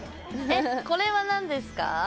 これは何ですか？